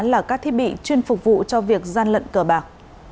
là các thiết bị chuyên phục vụ cho việc gian lận cờ bạc